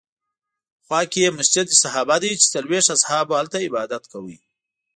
خوا کې یې مسجد صحابه دی چې څلوېښت اصحابو هلته عبادت کاوه.